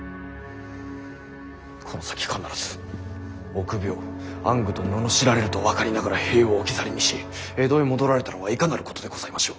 この先必ず臆病暗愚と罵られると分かりながら兵を置き去りにし江戸へ戻られたのはいかなることでございましょう。